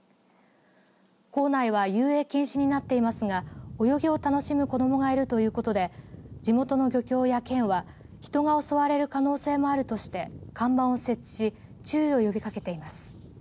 港内は遊泳禁止になっていますが泳ぎを楽しむ子どもがいるということで地元の漁協や県は人が襲われる可能性もあるとして看板を設置し注意を呼びかけています。